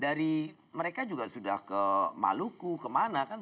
dari mereka juga sudah ke maluku kemana kan